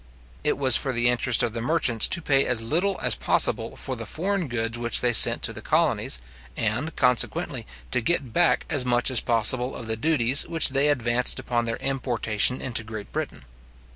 It was for the interest of the merchants to pay as little as possible for the foreign goods which they sent to the colonies, and, consequently, to get back as much as possible of the duties which they advanced upon their importation into Great Britain.